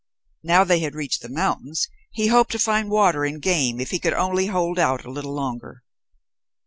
Now they had reached the mountains he hoped to find water and game if he could only hold out a little longer.